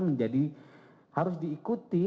menjadi harus diikuti